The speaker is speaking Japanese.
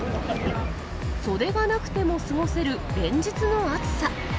袖がなくても過ごせる連日の暑さ。